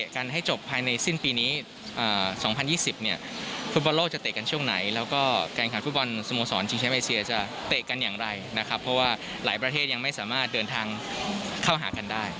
การเตือนทางเข้าหากันได้นะครับ